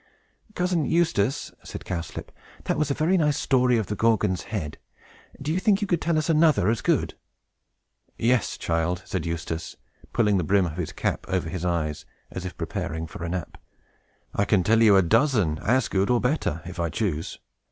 "Cousin Eustace," said Cowslip, "that was a very nice story of the Gorgon's Head. Do you think you could tell us another as good?" "Yes, child," said Eustace, pulling the brim of his cap over his eyes, as if preparing for a nap. "I can tell you a dozen, as good or better, if I choose."